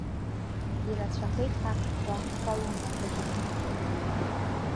Ирацәахеит ақырҭуа колоннақәагьы.